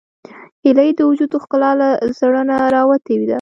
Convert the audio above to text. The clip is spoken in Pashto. هیلۍ د وجود ښکلا له زړه نه راوتې ده